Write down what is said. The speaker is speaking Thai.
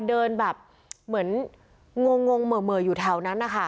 เดินแบบเหมือนงงเหม่ออยู่แถวนั้นนะคะ